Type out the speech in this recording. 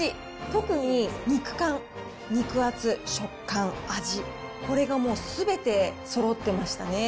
特に肉感、肉厚、食感、味、これがもうすべてそろってましたね。